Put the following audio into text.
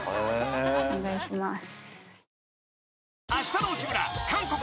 お願いします。